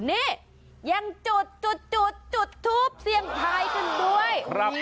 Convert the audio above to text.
นี่ยังจุดจุดทูปเสียงทายกันด้วย